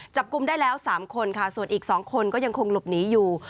จับกลุ่มได้แล้ว๓คนค่ะส่วนอีก๒คนก็ยังคงหลบหนีอยู่